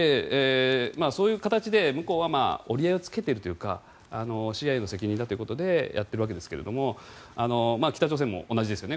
そういう形で向こうは折り合いをつけているというかＣＩＡの責任だということでやっているわけですが北朝鮮も同じですよね。